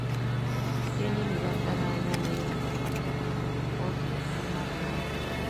Tiene lugar cada año a mediados de octubre en Fráncfort del Meno, Alemania.